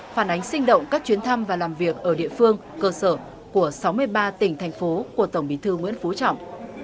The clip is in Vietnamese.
phản ánh sinh động các chuyến thăm và làm việc ở địa phương cơ sở của sáu mươi ba tỉnh thành phố của tổng bí thư nguyễn phú trọng